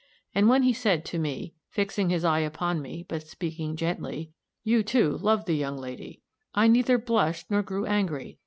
And when he said to me, fixing his eye upon me, but speaking gently, "You, too, loved the young lady," I neither blushed nor grew angry.